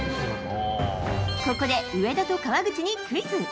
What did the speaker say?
ここで、上田と川口にクイズ。